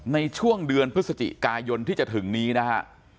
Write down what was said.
ในช่วงเดือนพฤศจิกายนที่จะถึงนี้นะฮะ